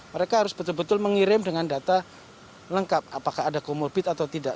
mereka harus betul betul mengirim dengan data lengkap apakah ada comorbid atau tidak